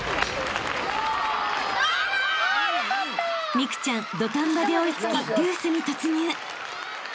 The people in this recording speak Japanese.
［美空ちゃん土壇場で追い付きジュースに突入］